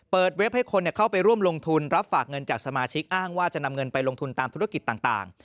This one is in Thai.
เว็บให้คนเข้าไปร่วมลงทุนรับฝากเงินจากสมาชิกอ้างว่าจะนำเงินไปลงทุนตามธุรกิจต่าง